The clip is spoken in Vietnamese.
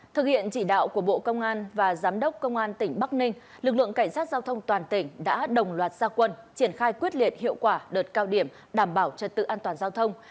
thực hiện chỉ đạo của bộ công an và giám đốc công an tỉnh bắc ninh lực lượng cảnh sát giao thông toàn tỉnh đã đồng loạt gia quân triển khai quyết liệt hiệu quả đợt cao điểm đảm bảo trật tự an toàn giao thông